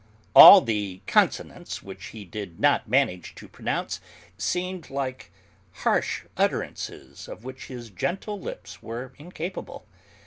All the consonants which he did not manage to pronounce seemed like harsh utterances of which his gentle lips were incapable.